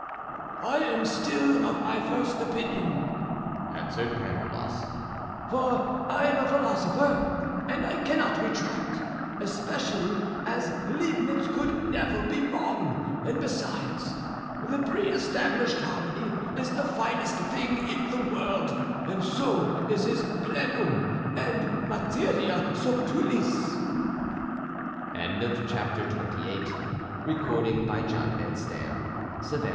"I am still of my first opinion," answered Pangloss, "for I am a philosopher and I cannot retract, especially as Leibnitz could never be wrong; and besides, the pre established harmony is the finest thing in the world, and so is his plenum and materia subtilis." XXIX HOW CANDIDE FOUND CUNEGONDE AND THE OLD WOMAN AGAIN.